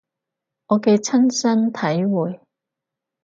我嘅親身體會